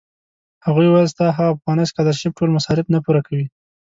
هغوی ویل ستا هغه پخوانی سکالرشېپ ټول مصارف نه پوره کوي.